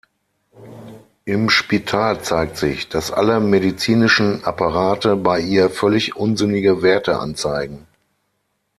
Im Spital zeigt sich, dass alle medizinischen Apparate bei ihr völlig unsinnige Werte anzeigen.